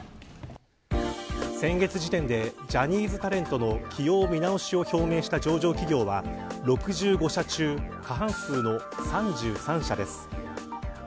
先月時点でジャニーズタレントの起用の見直しを表明した上場企業は６５社中、過半数の３３社です。